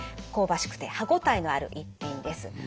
香ばしくて歯応えのある一品です。